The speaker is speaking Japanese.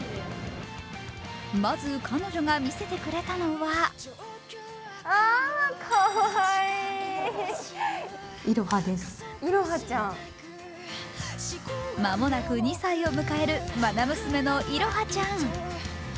まず彼女が見せてくれたのは間もなく２歳を迎える愛娘の彩葉ちゃん。